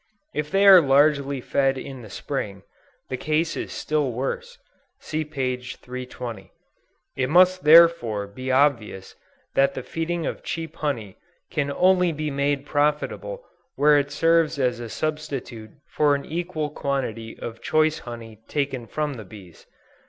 If they are largely fed in the Spring, the case is still worse; (See p. 320.) It must therefore be obvious that the feeding of cheap honey can only be made profitable where it serves as a substitute for an equal quantity of choice honey taken from the bees.